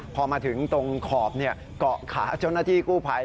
พอมาถึงตรงขอบเกาะขาเจ้าหน้าที่กู้ภัย